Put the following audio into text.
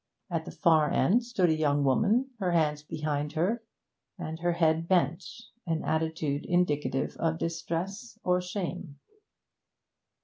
At the far end stood a young woman, her hands behind her, and her head bent an attitude indicative of distress or shame.